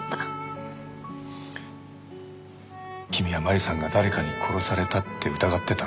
君は麻里さんが誰かに殺されたって疑ってた。